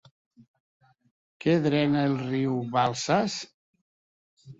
Què drena el riu Balsas?